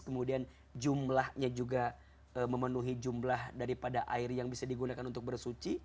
kemudian jumlahnya juga memenuhi jumlah daripada air yang bisa digunakan untuk bersuci